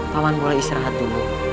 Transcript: paman boleh istirahat dulu